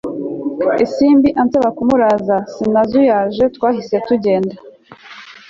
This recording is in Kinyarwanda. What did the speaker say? simbi ansaba kumuraza sinazuyaje twahise tujyenda